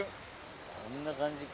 ・こんな感じか。